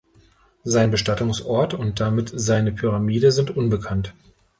Sein Bestattungsort und damit seine Pyramide sind unbekannt.